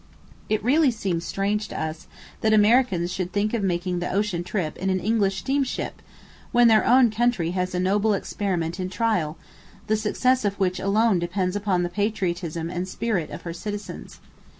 It really seems strange to us that Americans should think of making the ocean trip in an English steamship, when their own country has a noble experiment in trial, the success of which alone depends upon the patriotism and spirit of her citizens.